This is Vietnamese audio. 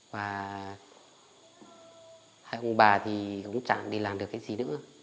và hai ông bà thì cũng chẳng đi làm được cái gì nữa